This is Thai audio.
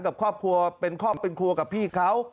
กับครอบครัวเป็นครอบครัวเป็นครัวกับพี่เขา